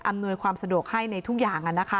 ความสะดวกให้ในทุกอย่าง